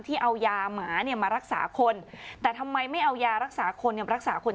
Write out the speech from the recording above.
เอายาหมาเนี่ยมารักษาคนแต่ทำไมไม่เอายารักษาคนเนี่ยรักษาคน